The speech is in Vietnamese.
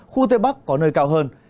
khu tây bắc có nơi cao hơn